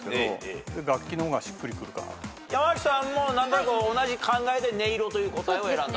山崎さんも何となく同じ考えで音色という答えを選んだ。